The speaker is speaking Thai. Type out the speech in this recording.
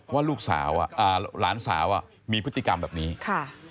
ว่าลูกสาวอ่ะอ่าหลานสาวอ่ะมีพฤติกรรมแบบนี้ค่ะ